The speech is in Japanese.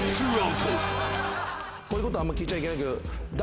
こういうことあんま聞いちゃいけないけど。